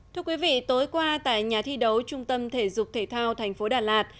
thưa quý vị tối qua tại nhà thi đấu trung tâm thể dục thể thao tp đà lạt